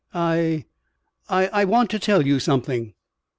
"I I I want to tell you something."